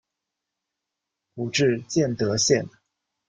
府治建德县。